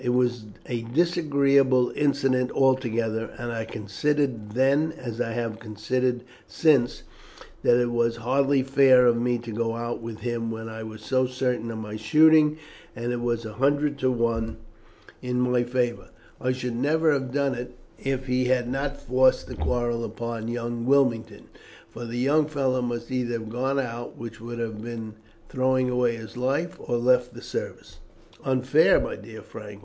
It was a disagreeable incident altogether, and I considered then, as I have considered since, that it was hardly fair of me to go out with him when I was so certain of my shooting, and it was a hundred to one in my favour. I should never have done it if he had not forced the quarrel upon young Wilmington; for the young fellow must either have gone out, which would have been throwing away his life, or left the service." "Unfair, my dear Frank!